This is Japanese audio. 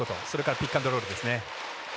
それからピックアンドロールですね。